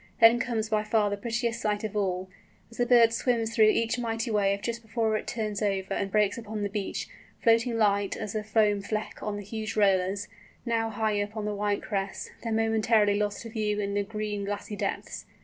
Then comes by far the prettiest sight of all, as the bird swims through each mighty wave just before it turns over and breaks upon the beach, floating light as a foam fleck on the huge rollers, now high up on the white crests, then momentarily lost to view in the green glassy depths.